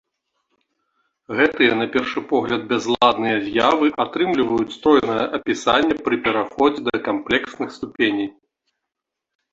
Гэтыя, на першы погляд бязладныя, з'явы атрымліваюць стройнае апісанне пры пераходзе да камплексных ступеней.